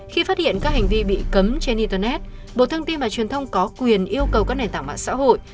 khi phát hiện các hành vi bị cấm trên internet bộ thông tin và truyền thông có quyền yêu cầu các nền tảng mạng xã hội